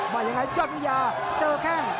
มายังไงยอดมิติยาเจอแข้ง